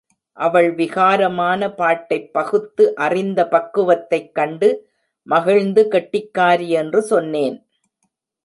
அவள் விகாரமான பாட்டைப் பகுத்து அறிந்த பக்குவத்தைக் கண்டு மகிழ்ந்து கெட்டிக்காரி என்று சொன்னேன்.